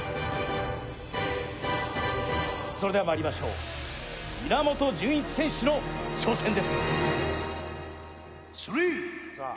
それではまいりましょう稲本潤一選手の挑戦です。